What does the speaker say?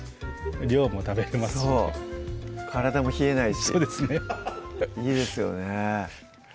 量も食べれますし体も冷えないしそうですねいいですよね